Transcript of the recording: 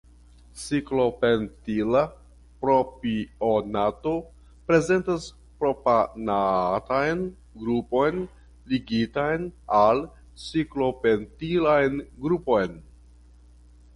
Ciklopentila propionato prezentas propanatan grupon ligitan al ciklopentilan grupon.